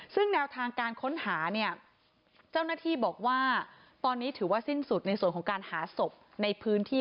ซึ่งแนวทางการค้นหาเนี่ยเจ้าหน้าที่บอกว่าตอนนี้ถือว่าสิ้นสุดในส่วนของการหาศพในพื้นที่